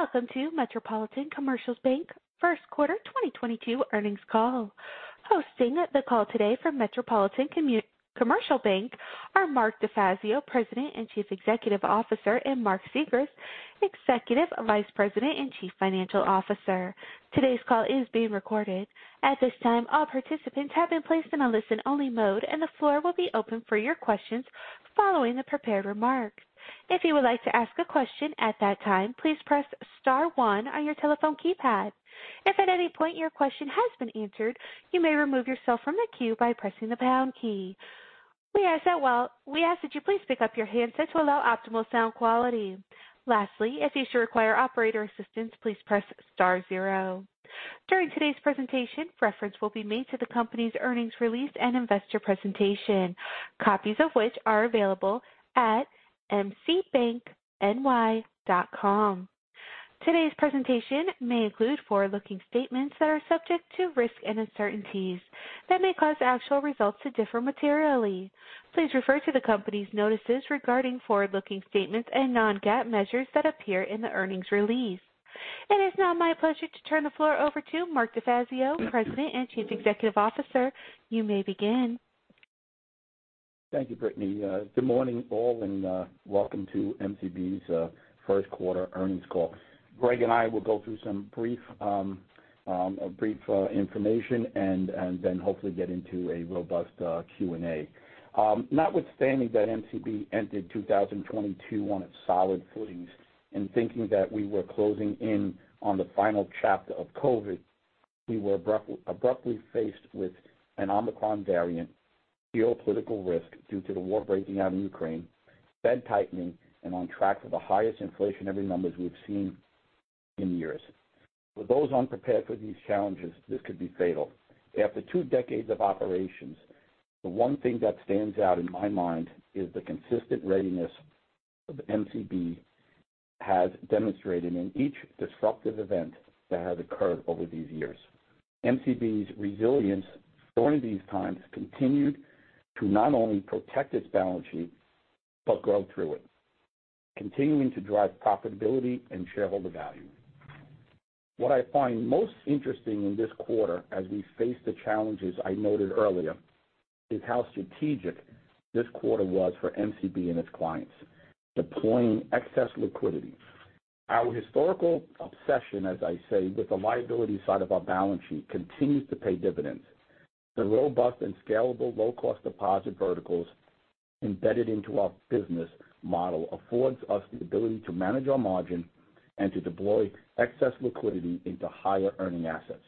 Welcome to Metropolitan Commercial Bank first quarter 2022 Earnings Call. Hosting the call today from Metropolitan Commercial Bank are Mark DeFazio, President and Chief Executive Officer, and Mark Siegrist, Executive Vice President and Chief Financial Officer. Today's call is being recorded. At this time, all participants have been placed in a listen-only mode, and the floor will be open for your questions following the prepared remarks. If you would like to ask a question at that time, please press star one on your telephone keypad. If at any point your question has been answered, you may remove yourself from the queue by pressing the pound key. We ask that you please pick up your handsets to allow optimal sound quality. Lastly, if you should require operator assistance, please press star zero. During today's presentation, reference will be made to the company's earnings release and investor presentation, copies of which are available at mcbankny.com. Today's presentation may include forward-looking statements that are subject to risks and uncertainties that may cause actual results to differ materially. Please refer to the company's notices regarding forward-looking statements and non-GAAP measures that appear in the earnings release. It is now my pleasure to turn the floor over to Mark DeFazio, President and Chief Executive Officer. You may begin. Thank you, Brittany. Good morning, all, and welcome to MCB's first quarter earnings call. Greg and I will go through some brief information and then hopefully get into a robust Q&A. Notwithstanding that MCB entered 2022 on its solid footings and thinking that we were closing in on the final chapter of COVID, we were abruptly faced with an Omicron variant, geopolitical risk due to the war breaking out in Ukraine, Fed tightening, and on track for the highest inflation numbers ever we've seen in years. For those unprepared for these challenges, this could be fatal. After two decades of operations, the one thing that stands out in my mind is the consistent readiness of MCB has demonstrated in each disruptive event that has occurred over these years. MCB's resilience during these times continued to not only protect its balance sheet, but grow through it, continuing to drive profitability and shareholder value. What I find most interesting in this quarter as we face the challenges I noted earlier is how strategic this quarter was for MCB and its clients deploying excess liquidity. Our historical obsession, as I say, with the liability side of our balance sheet continues to pay dividends. The robust and scalable low-cost deposit verticals embedded into our business model affords us the ability to manage our margin and to deploy excess liquidity into higher earning assets.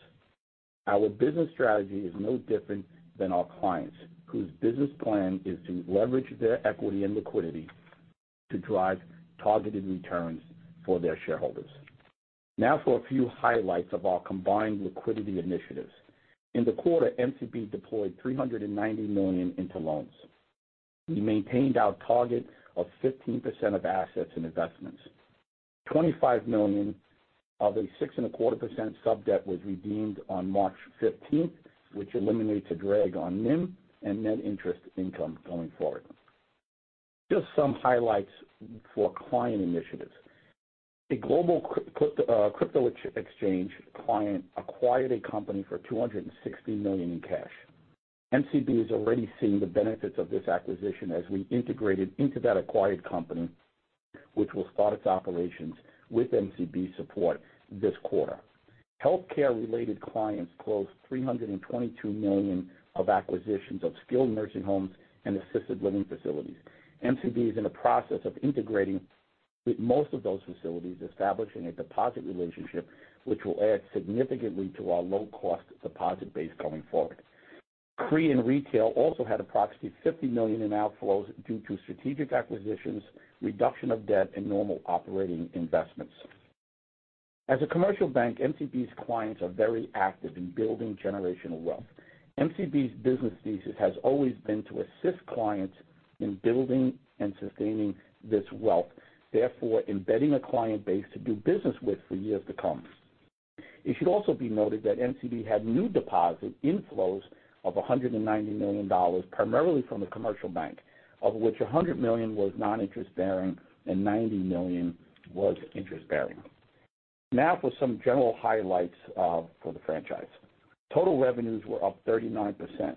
Our business strategy is no different than our clients whose business plan is to leverage their equity and liquidity to drive targeted returns for their shareholders. Now for a few highlights of our combined liquidity initiatives. In the quarter, MCB deployed $390 million into loans. We maintained our target of 15% of assets in investments. $25 million of a 6.25% sub-debt was redeemed on March 15, which eliminates a drag on NIM and net interest income going forward. Just some highlights for client initiatives. A global crypto exchange client acquired a company for $260 million in cash. MCB is already seeing the benefits of this acquisition as we integrated into that acquired company, which will start its operations with MCB support this quarter. Healthcare-related clients closed $322 million of acquisitions of skilled nursing homes and assisted living facilities. MCB is in the process of integrating with most of those facilities, establishing a deposit relationship which will add significantly to our low-cost deposit base going forward. Private and retail also had approximately $50 million in outflows due to strategic acquisitions, reduction of debt and normal operating investments. As a commercial bank, MCB's clients are very active in building generational wealth. MCB's business thesis has always been to assist clients in building and sustaining this wealth, therefore embedding a client base to do business with for years to come. It should also be noted that MCB had new deposit inflows of $190 million, primarily from the commercial bank, of which $100 million was non-interest bearing and $90 million was interest bearing. Now for some general highlights for the franchise. Total revenues were up 39%.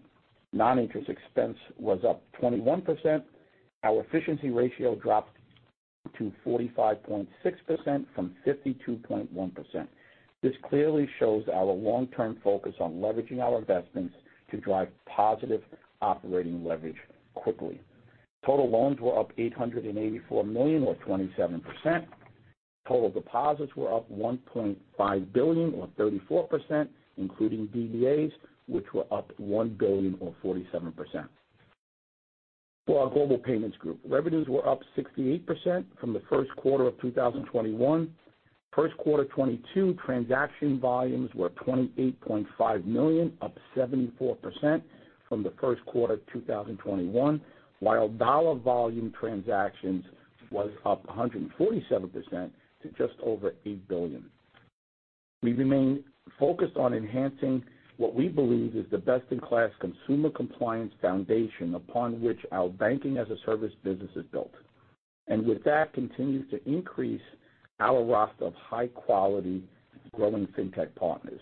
Non-interest expense was up 21%. Our efficiency ratio dropped to 45.6% from 52.1%. This clearly shows our long-term focus on leveraging our investments to drive positive operating leverage quickly. Total loans were up $884 million or 27%. Total deposits were up $1.5 billion or 34%, including DDAs which were up $1 billion or 47%. For our Global Payments Group, revenues were up 68% from the first quarter of 2021. First quarter 2022 transaction volumes were 28.5 million, up 74% from the first quarter of 2021. While dollar volume transactions was up 147% to just over $8 billion. We remain focused on enhancing what we believe is the best in class consumer compliance foundation upon which our banking-as-a-service business is built. With that continues to increase our roster of high quality growing fintech partners.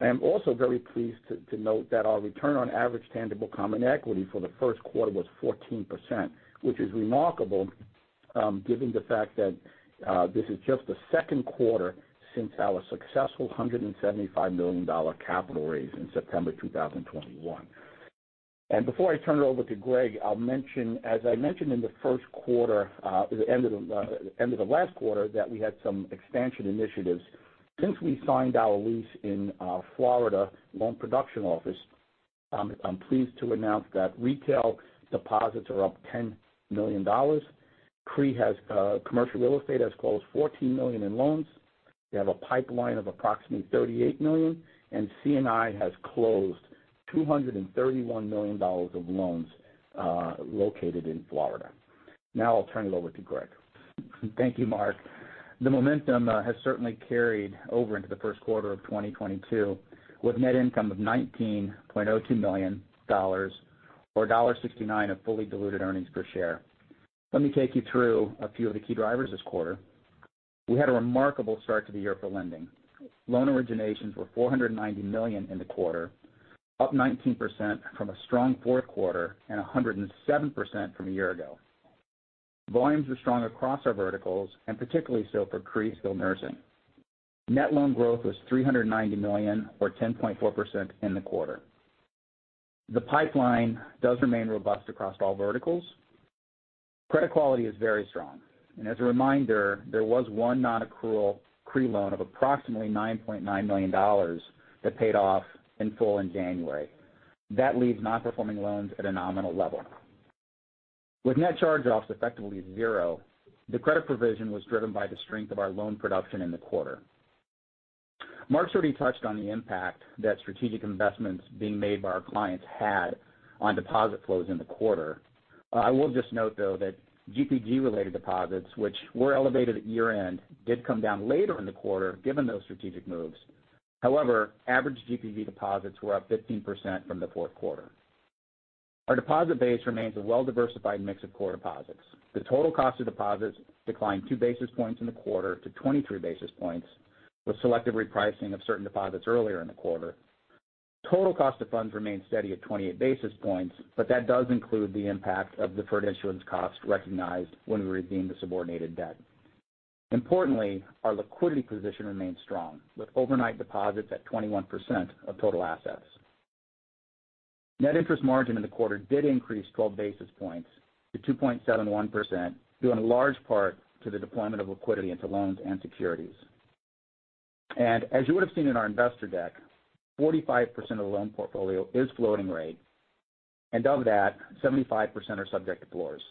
I am also very pleased to note that our return on average tangible common equity for the first quarter was 14%, which is remarkable, given the fact that this is just the second quarter since our successful $175 million capital raise in September 2021. Before I turn it over to Greg, I'll mention, as I mentioned in the first quarter, the end of the last quarter that we had some expansion initiatives. Since we signed our lease in our Florida loan production office, I'm pleased to announce that retail deposits are up $10 million. CRE, commercial real estate, has closed $14 million in loans. They have a pipeline of approximately $38 million, and C&I has closed $231 million of loans, located in Florida. Now I'll turn it over to Greg. Thank you, Mark. The momentum has certainly carried over into the first quarter of 2022, with net income of $19.02 million or $0.69 of fully diluted earnings per share. Let me take you through a few of the key drivers this quarter. We had a remarkable start to the year for lending. Loan originations were $490 million in the quarter, up 19% from a strong fourth quarter and 107% from a year ago. Volumes were strong across our verticals and particularly so for CRE skilled nursing. Net loan growth was $390 million or 10.4% in the quarter. The pipeline does remain robust across all verticals. Credit quality is very strong. As a reminder, there was one nonaccrual CRE loan of approximately $9.9 million that paid off in full in January. That leaves non-performing loans at a nominal level. With net charge-offs effectively zero, the credit provision was driven by the strength of our loan production in the quarter. Mark's already touched on the impact that strategic investments being made by our clients had on deposit flows in the quarter. I will just note, though, that GPG-related deposits, which were elevated at year-end, did come down later in the quarter given those strategic moves. However, average GPG deposits were up 15% from the fourth quarter. Our deposit base remains a well-diversified mix of core deposits. The total cost of deposits declined two basis points in the quarter to 23 basis points, with selective repricing of certain deposits earlier in the quarter. Total cost of funds remained steady at 28 basis points, but that does include the impact of deferred issuance costs recognized when we redeemed the subordinated debt. Importantly, our liquidity position remains strong, with overnight deposits at 21% of total assets. Net interest margin in the quarter did increase 12 basis points to 2.71%, due in large part to the deployment of liquidity into loans and securities. As you would have seen in our investor deck, 45% of the loan portfolio is floating rate, and of that, 75% are subject to floors.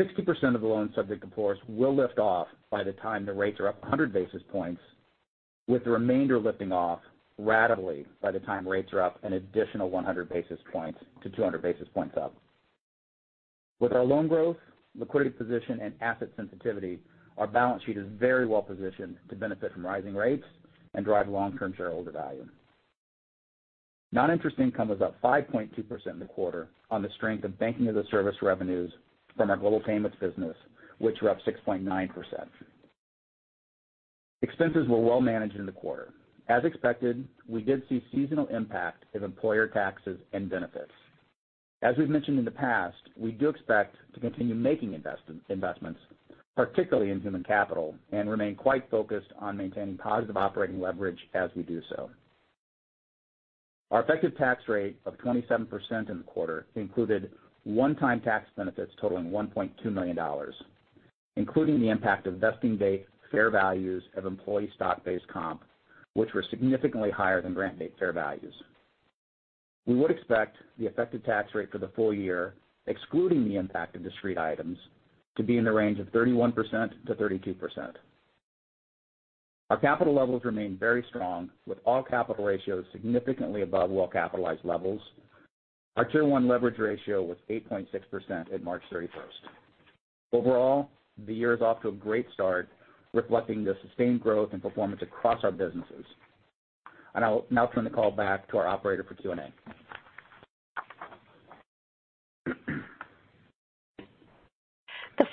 60% of the loans subject to floors will lift off by the time the rates are up 100 basis points, with the remainder lifting off ratably by the time rates are up an additional 100 basis points to 200 basis points up. With our loan growth, liquidity position and asset sensitivity, our balance sheet is very well positioned to benefit from rising rates and drive long-term shareholder value. Non-interest income was up 5.2% in the quarter on the strength of banking-as-a-service revenues from our global payments business, which were up 6.9%. Expenses were well managed in the quarter. As expected, we did see seasonal impact of employer taxes and benefits. As we've mentioned in the past, we do expect to continue making investments, particularly in human capital, and remain quite focused on maintaining positive operating leverage as we do so. Our effective tax rate of 27% in the quarter included one-time tax benefits totaling $1.2 million, including the impact of vesting date fair values of employee stock-based comp, which were significantly higher than grant date fair values. We would expect the effective tax rate for the full year, excluding the impact of discrete items, to be in the range of 31%-32%. Our capital levels remain very strong, with all capital ratios significantly above well-capitalized levels. Our Tier 1 leverage ratio was 8.6% at March 31. Overall, the year is off to a great start, reflecting the sustained growth and performance across our businesses. I'll now turn the call back to our operator for Q&A.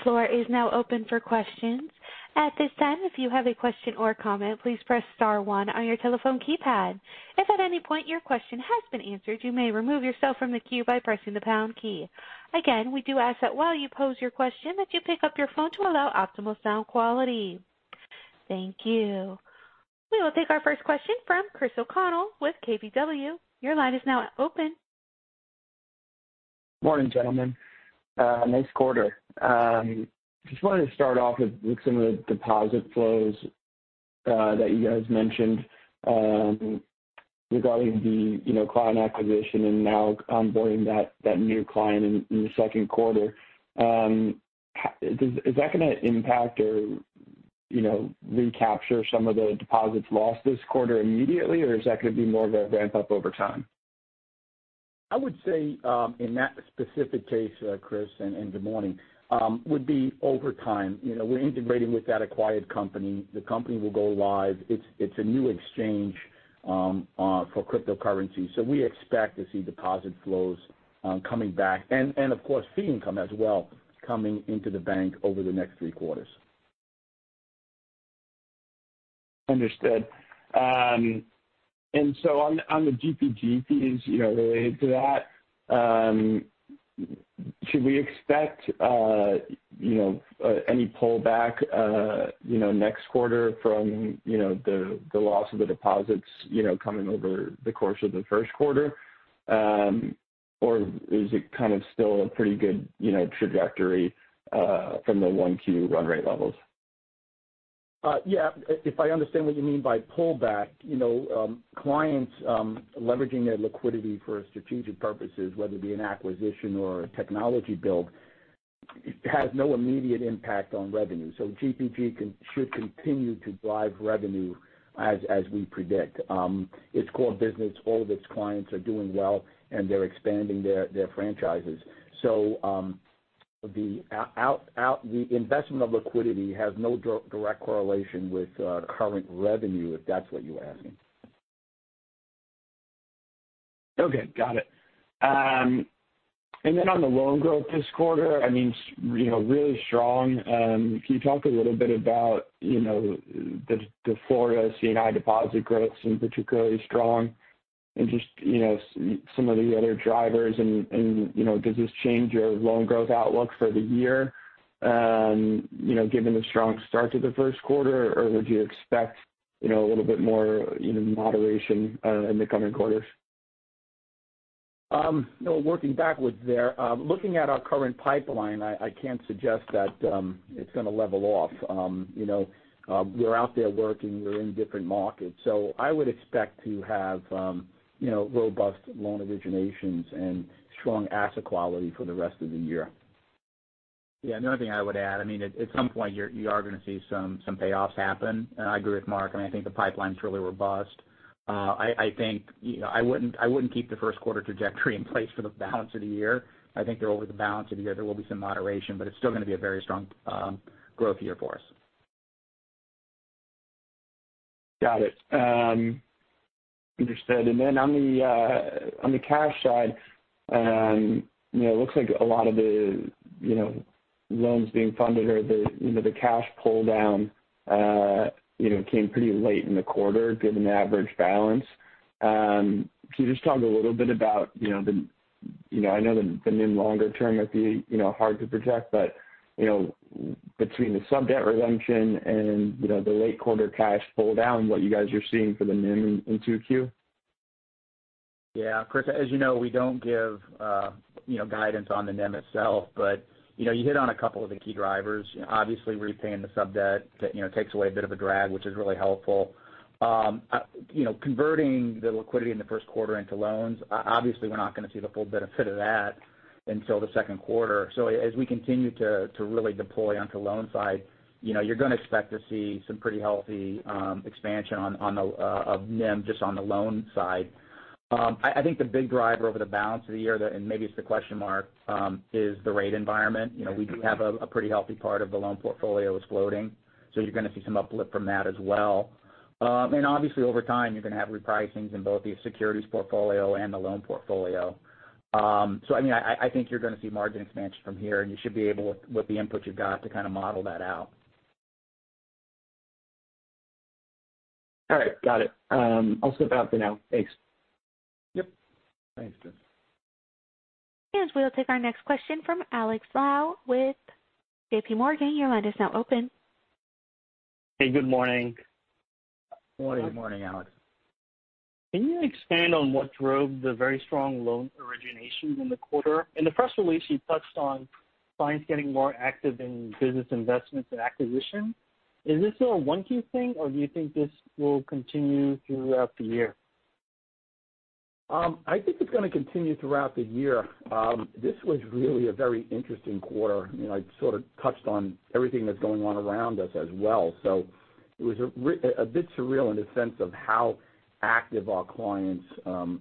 The floor is now open for questions. At this time, if you have a question or a comment, please press star one on your telephone keypad. If at any point your question has been answered, you may remove yourself from the queue by pressing the pound key. Again, we do ask that while you pose your question that you pick up your phone to allow optimal sound quality. Thank you. We will take our first question from Chris O'Connell with KBW. Your line is now open. Morning, gentlemen. Nice quarter. Just wanted to start off with with some of the deposit flows that you guys mentioned regarding the, you know, client acquisition and now onboarding that new client in the second quarter. Is that gonna impact or, you know, recapture some of the deposits lost this quarter immediately or is that going to be more of a ramp-up over time? I would say, in that specific case, Chris, and good morning, would be over time. You know, we're integrating with that acquired company. The company will go live. It's a new exchange for cryptocurrency. So we expect to see deposit flows coming back and of course, fee income as well coming into the bank over the next three quarters. Understood. On the GPG fees, you know, related to that, should we expect, you know, any pullback, you know, next quarter from, you know, the loss of the deposits, you know, coming over the course of the first quarter? Or is it kind of still a pretty good, you know, trajectory from the Q1 run rate levels? Yeah. If I understand what you mean by pullback, you know, clients leveraging their liquidity for strategic purposes, whether it be an acquisition or a technology build, has no immediate impact on revenue. GPG should continue to drive revenue as we predict. It's core business. All of its clients are doing well, and they're expanding their franchises. The investment of liquidity has no direct correlation with current revenue, if that's what you're asking. Okay, got it. On the loan growth this quarter, I mean, you know, really strong. Can you talk a little bit about, you know, the Florida C&I deposit growth seemed particularly strong. Just, you know, some of the other drivers and, you know, does this change your loan growth outlook for the year, you know, given the strong start to the first quarter? Or would you expect, you know, a little bit more, you know, moderation in the coming quarters? Working backwards there. Looking at our current pipeline, I can't suggest that, it's gonna level off. You know, we're out there working. We're in different markets. I would expect to have, you know, robust loan originations and strong asset quality for the rest of the year. Yeah, another thing I would add, I mean, at some point you are gonna see some payoffs happen. I agree with Mark. I mean, I think the pipeline's really robust. I think, you know, I wouldn't keep the first quarter trajectory in place for the balance of the year. I think over the balance of the year, there will be some moderation, but it's still gonna be a very strong growth year for us. Got it. Understood. On the cash side, you know, it looks like a lot of the, you know, loans being funded or the, you know, the cash pull-down, you know, came pretty late in the quarter, given the average balance. Can you just talk a little bit about, you know, I know the NIM longer term might be, you know, hard to project, but, you know, between the sub-debt redemption and, you know, the late quarter cash pull-down, what you guys are seeing for the NIM in 2Q. Yeah. Chris, as you know, we don't give, you know, guidance on the NIM itself. You know, you hit on a couple of the key drivers. Obviously, repaying the sub-debt, that, you know, takes away a bit of a drag, which is really helpful. You know, converting the liquidity in the first quarter into loans, obviously we're not gonna see the full benefit of that until the second quarter. As we continue to really deploy onto loan side, you know, you're gonna expect to see some pretty healthy expansion of NIM just on the loan side. I think the big driver over the balance of the year, and maybe it's the question mark, is the rate environment. You know, we do have a pretty healthy part of the loan portfolio is floating, so you're gonna see some uplift from that as well. Obviously over time, you're gonna have repricings in both the securities portfolio and the loan portfolio. I mean, I think you're gonna see margin expansion from here and you should be able, with the input you've got to kind of model that out. All right, got it. I'll skip out for now. Thanks. Yep. Thanks, Chris. We'll take our next question from Alex Lau with JPMorgan. Your line is now open. Hey, good morning. Morning. Good morning, Alex. Can you expand on what drove the very strong loan originations in the quarter? In the press release, you touched on clients getting more active in business investments and acquisitions. Is this a one-off thing, or do you think this will continue throughout the year? I think it's gonna continue throughout the year. This was really a very interesting quarter. You know, I sort of touched on everything that's going on around us as well. It was a bit surreal in the sense of how active our clients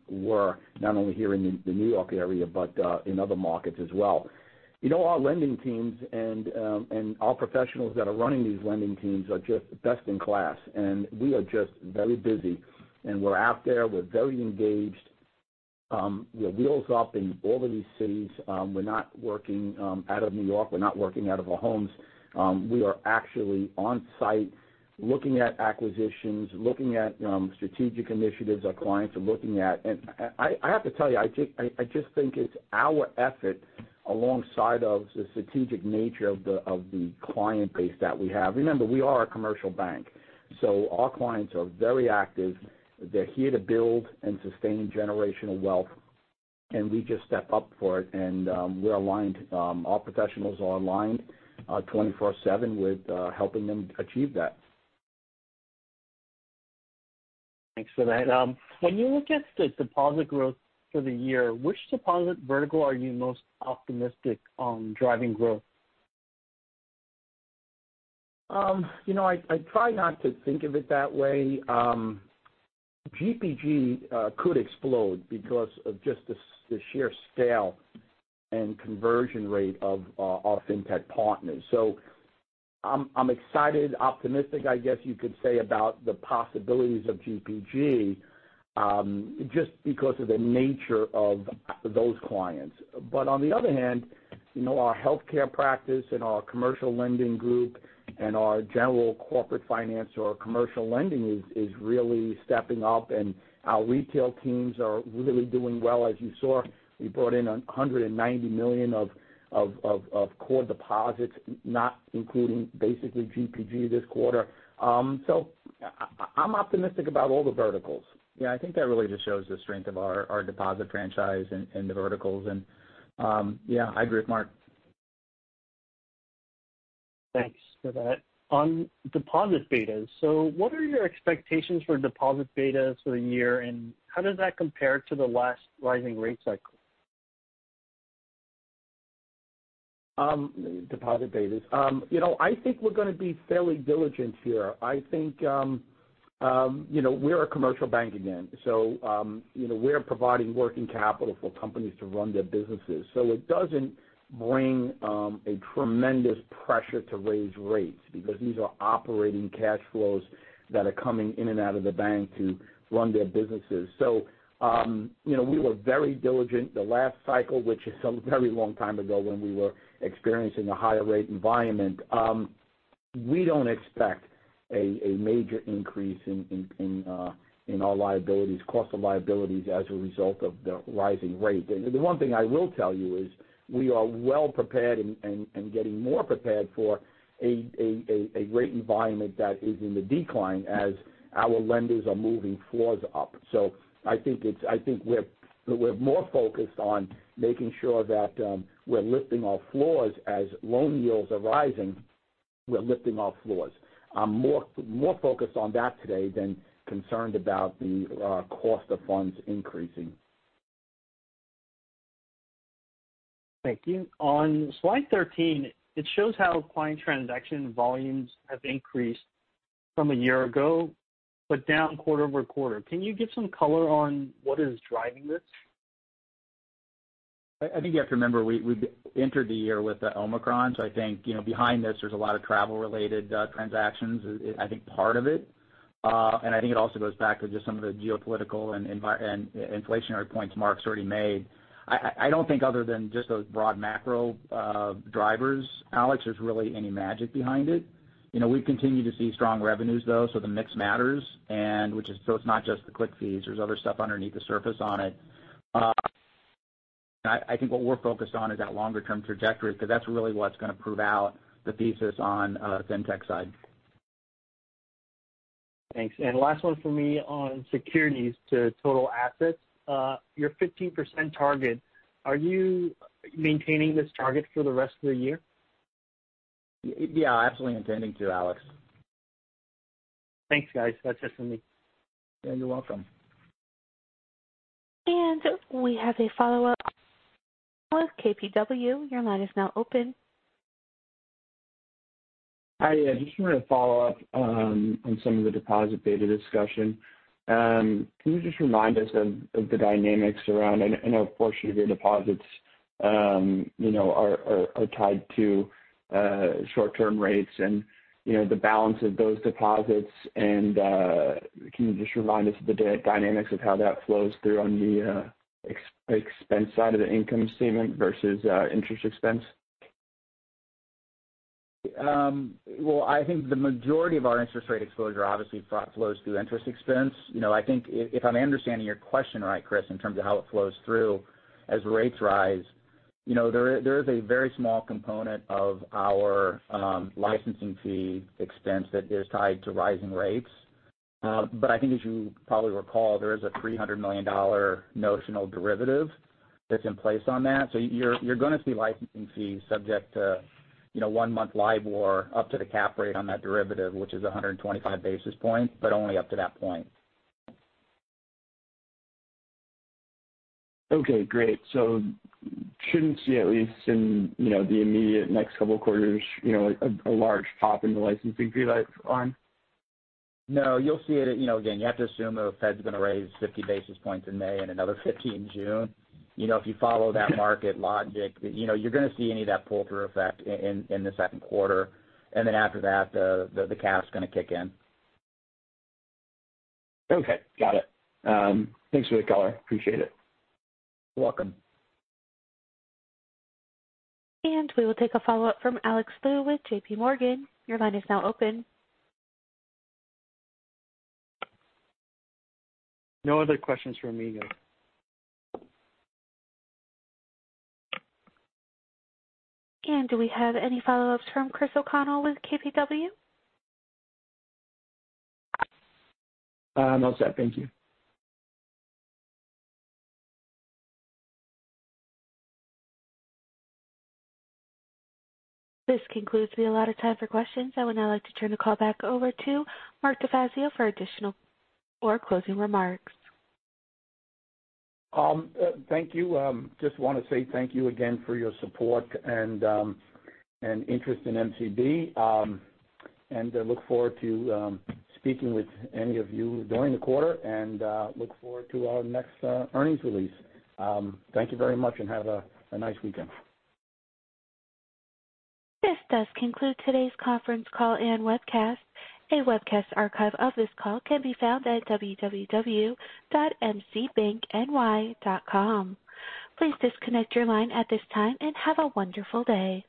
were, not only here in the New York area, but in other markets as well. You know, our lending teams and our professionals that are running these lending teams are just best in class. We are just very busy. We're out there, we're very engaged. We're wheels up in all of these cities. We're not working out of New York. We're not working out of our homes. We are actually on site looking at acquisitions, looking at strategic initiatives our clients are looking at. I have to tell you, I just think it's our effort alongside the strategic nature of the client base that we have. Remember, we are a commercial bank, so our clients are very active. They're here to build and sustain generational wealth, and we just step up for it and we're aligned. Our professionals are aligned 24/7 with helping them achieve that. Thanks for that. When you look at the deposit growth for the year, which deposit vertical are you most optimistic on driving growth? You know, I try not to think of it that way. GPG could explode because of just the sheer scale and conversion rate of our fintech partners. I'm excited, optimistic, I guess you could say, about the possibilities of GPG, just because of the nature of those clients. On the other hand, you know, our healthcare practice and our commercial lending group and our general corporate finance or commercial lending is really stepping up, and our retail teams are really doing well. As you saw, we brought in $190 million of core deposits, not including basically GPG this quarter. I'm optimistic about all the verticals. Yeah, I think that really just shows the strength of our deposit franchise and the verticals and yeah, I agree with Mark. Thanks for that. On deposit betas, what are your expectations for deposit betas for the year, and how does that compare to the last rising rate cycle? Deposit betas. You know, I think we're gonna be fairly diligent here. I think you know, we're a commercial bank again, so you know, we're providing working capital for companies to run their businesses. It doesn't bring a tremendous pressure to raise rates because these are operating cash flows that are coming in and out of the bank to run their businesses. You know, we were very diligent the last cycle, which is a very long time ago when we were experiencing a higher rate environment. We don't expect a major increase in our cost of liabilities as a result of the rising rate. The one thing I will tell you is we are well prepared and getting more prepared for a rate environment that is in the decline as our lenders are moving floors up. I think we're more focused on making sure that we're lifting our floors as loan yields are rising. I'm more focused on that today than concerned about the cost of funds increasing. Thank you. On slide 13, it shows how client transaction volumes have increased from a year ago, but down quarter-over-quarter. Can you give some color on what is driving this? I think you have to remember we entered the year with the Omicron. I think, you know, behind this there's a lot of travel-related transactions is, I think, part of it. I think it also goes back to just some of the geopolitical and inflationary points Mark's already made. I don't think other than just those broad macro drivers, Alex, there's really any magic behind it. You know, we continue to see strong revenues though, so the mix matters and which is so it's not just the click fees. There's other stuff underneath the surface on it. I think what we're focused on is that longer term trajectory because that's really what's gonna prove out the thesis on fintech side. Thanks. Last one for me on securities to total assets. Your 15% target, are you maintaining this target for the rest of the year? Yeah, absolutely intending to, Alex. Thanks, guys. That's just for me. Yeah, you're welcome. We have a follow-up with KBW. Your line is now open. Hi. Yeah, just wanted to follow up on some of the deposit beta discussion. Can you just remind us of the dynamics around and what portion of your deposits you know are tied to short-term rates and you know the balance of those deposits and can you just remind us of the dynamics of how that flows through on the expense side of the income statement versus interest expense? Well, I think the majority of our interest rate exposure obviously flows through interest expense. You know, I think if I'm understanding your question right, Chris, in terms of how it flows through as rates rise. You know, there is a very small component of our licensing fee expense that is tied to rising rates. But I think as you probably recall, there is a $300 million notional derivative that's in place on that. You're gonna see licensing fees subject to one-month LIBOR up to the cap rate on that derivative, which is 125 basis points, but only up to that point. Okay, great. Shouldn't see at least in, you know, the immediate next couple quarters, you know, a large pop in the licensing fee line. No, you'll see it, you know, again, you have to assume the Fed's gonna raise 50 basis points in May and another 50 in June. You know, if you follow that market logic, you know, you're gonna see any of that pull-through effect in the second quarter. Then after that, the cap's gonna kick in. Okay, got it. Thanks for the color. Appreciate it. You're welcome. We will take a follow-up from Alex Lu with JP Morgan. Your line is now open. No other questions for me, guys. Do we have any follow-ups from Chris O'Connell with KBW? I'm all set. Thank you. This concludes the allotted time for questions. I would now like to turn the call back over to Mark DeFazio for additional or closing remarks. Thank you. Just want to say thank you again for your support and interest in MCB. I look forward to speaking with any of you during the quarter and look forward to our next earnings release. Thank you very much and have a nice weekend. This does conclude today's conference call and webcast. A webcast archive of this call can be found at www.mcbankny.com. Please disconnect your line at this time and have a wonderful day.